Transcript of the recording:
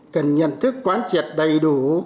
cần nhận thức quán triệt đầy đủ